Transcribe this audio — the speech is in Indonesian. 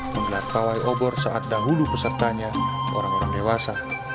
menggelar pawai obor saat dahulu pesertanya orang orang dewasa